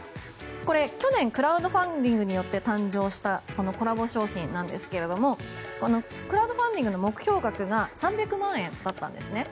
これ、去年クラウドファンディングによって誕生したこのコラボ商品なんですがクラウドファンディングの目標額が３００万円だったんですね。